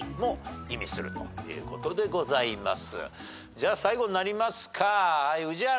じゃあ最後になりますか宇治原。